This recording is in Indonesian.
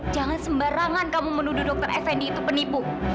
jangan sembarangan kamu menuduh dokter fnd itu penipu